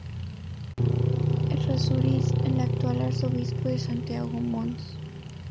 Errázuriz, el actual Arzobispo de Santiago Mons.